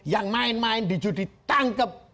yang main main di judi tangkep